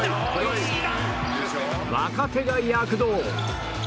若手が躍動！